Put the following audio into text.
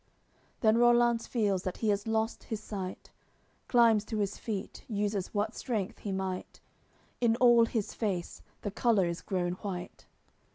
CLXXI Then Rollanz feels that he has lost his sight, Climbs to his feet, uses what strength he might; In all his face the colour is grown white.